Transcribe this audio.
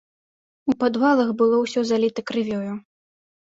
У падвалах было ўсё заліта крывёю.